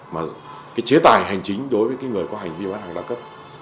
mà cái chế tài hành chính đối với cái người có hành vi bán hàng đa cấp